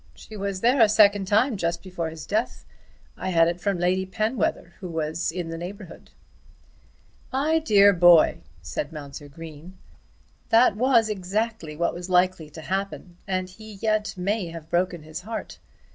"She was there a second time, just before his death. I had it from Lady Penwether who was in the neighbourhood." "My dear little boy," said Mounser Green, "that was exactly what was likely to happen, and he yet may have broken his heart.